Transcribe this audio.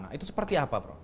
nah itu seperti apa prof